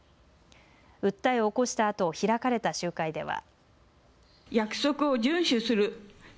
訴えを起こしたあと開かれた集会では。